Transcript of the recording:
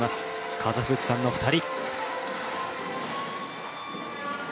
カザフスタンの２人。